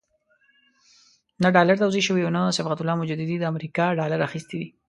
نه ډالر توزیع شوي او نه صبغت الله مجددي د امریکا ډالر اخیستي دي.